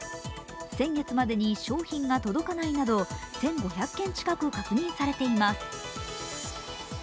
先月までに商品が届かないなど１５００件近く確認されています。